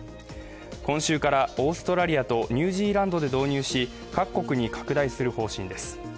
今週からオーストラリアとニュージーランドで導入し、各国に拡大する方針です。